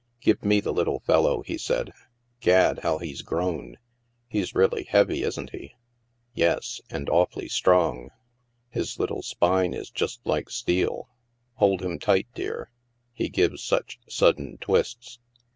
"Give me the little fellow," he said. "Gad, how he's grown. He's really heavy, isn't he ?"" Yes. And awfully strong. His little spine is just like steel. Hold him tight, dear. He gives such sudden twists."